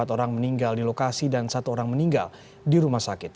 empat orang meninggal di lokasi dan satu orang meninggal di rumah sakit